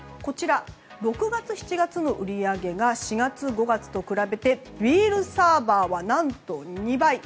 ６月７月の売り上げが４月５月と比べてビールサーバーは何と２倍。